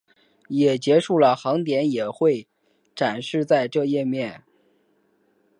也结束的航点也会展示在这页面。